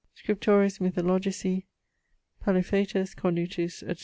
Scriptores mythologici; Palaephatus, Cornutus, etc.